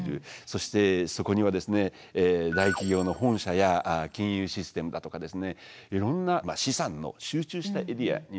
そしてそこには大企業の本社や金融システムだとかいろんな資産の集中したエリアになりやすいということ。